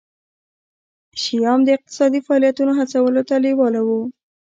شیام د اقتصادي فعالیتونو هڅولو ته لېواله وو.